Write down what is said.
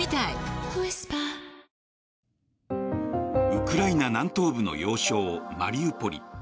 ウクライナ南東部の要衝マリウポリ。